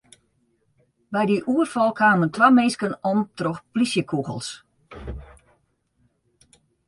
By dy oerfal kamen twa minsken om troch plysjekûgels.